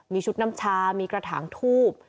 มีชุดน้ำชามีกระถางทูบ